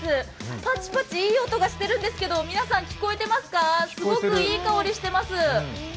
ぱちぱちいい音がしているんですが、皆さん聞こえてますか、すごくいい香りがしてます。